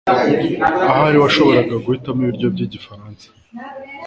Ahari washoboraga guhitamo ibiryo byigifaransa.